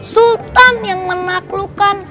sultan yang menaklukkan